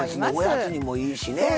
おやつにもいいしねえ。